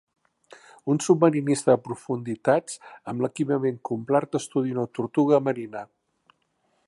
Un submarinista de profunditats amb l'equipament complert estudia una tortuga marina.